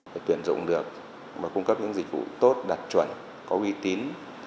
phải tuyển dụng được và cung cấp những dịch vụ tốt đạt chuẩn có uy tín